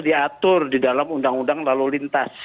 diatur di dalam undang undang lalu lintas